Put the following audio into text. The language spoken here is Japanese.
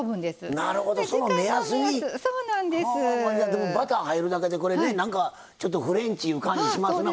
でもバター入るだけでなんかちょっとフレンチいう感じしますなこれ。